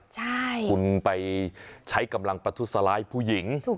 ใช่คุณไปใช้กำลังประทุษร้ายผู้หญิง